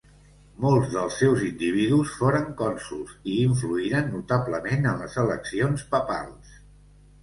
Molts dels seus individus foren cònsols i influïren notablement en les eleccions papals.